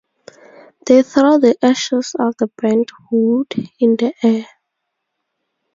They throw the ashes of the burnt wood in the air.